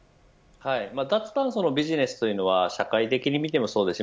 脱炭素のビジネスというのは社会的に見てもそうです。